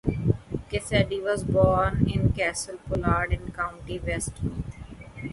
Cassidy was born in Castlepollard in County Westmeath.